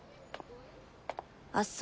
あっそ。